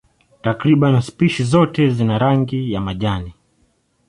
Takriban spishi zote zina rangi ya majani.